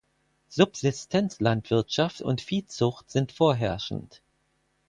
Subsistenzlandwirtschaft und Viehzucht sind vorherrschend.